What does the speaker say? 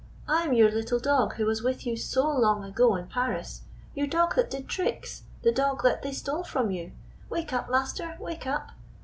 I am your little dog who was with you so long ago in Paris — your dog that did tricks, the dog that they stole from you ! Wake up, master Wake up